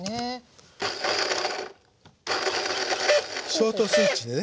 ショートスイッチでね。